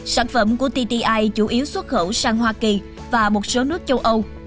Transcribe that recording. sản phẩm của tti chủ yếu xuất khẩu sang hoa kỳ và một số nước châu âu